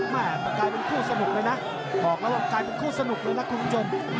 แม่แต่กลายเป็นคู่สนุกเลยนะบอกแล้วว่ากลายเป็นคู่สนุกเลยนะคุณผู้ชม